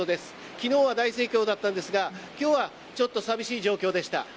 昨日は大盛況だったんですが今日は寂しい状況でした。